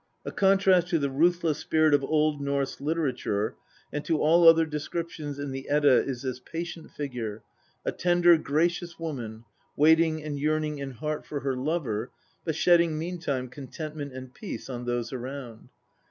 A contrast to the ruthless spirit of Old Norse literature and to all other descriptions in the Edda is this patient figure a tender, gracious woman, waiting and yearning in heart for her lover, but shedding meantime contentment and peace on those around.